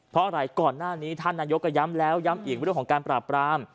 เพราะอะไรก่อนหน้านี้ท่านนายกก็ย้ำแล้วย้ำอีกเรื่องของการปราบราม